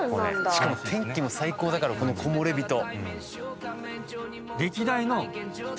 しかも天気最高だからこの木漏れ日と。